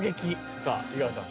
さあ井川さん。